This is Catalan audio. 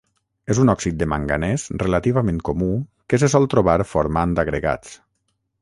És un òxid de manganès relativament comú que se sol trobar formant agregats.